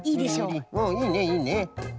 うんいいねいいね。